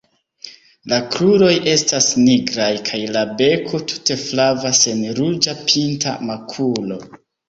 La kruroj estas nigraj kaj la beko tute flava sen ruĝa pinta makulo.